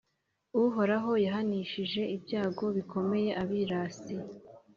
Uhoraho yahanishije ibyago bikomeye abirasi,